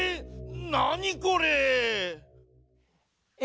なにこれ⁉え